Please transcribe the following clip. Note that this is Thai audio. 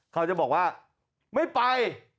เขาจะบอกว่าไม่ไป